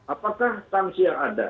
apakah tangsi yang ada